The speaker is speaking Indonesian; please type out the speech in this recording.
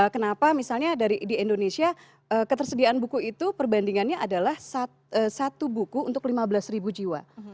kenapa misalnya di indonesia ketersediaan buku itu perbandingannya adalah satu buku untuk lima belas ribu jiwa